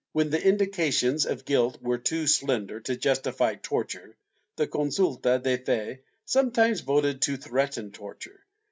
^ When the indications of guilt were too slender to justify tor ture, the consulta de fe sometimes voted to threaten torture.'